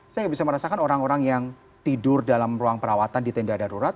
saya bisa merasakan orang orang yang tidur dalam ruang perawatan di tenda darurat